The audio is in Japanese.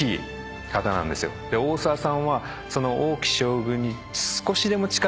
大沢さんはその。